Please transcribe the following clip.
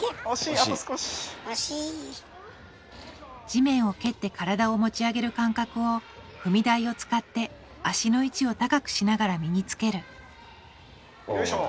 地面を蹴って体を持ち上げる感覚を踏み台を使って足の位置を高くしながら身につけるよいしょ。